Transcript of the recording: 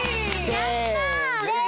やったあ！